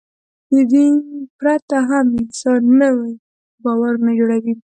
د دین پرته هم انسان نوي باورونه جوړوي.